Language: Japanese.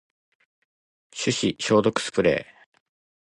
手指消毒スプレー